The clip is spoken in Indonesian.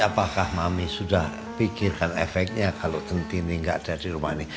apakah mami sudah pikirkan efeknya kalau tentini nggak ada di rumah ini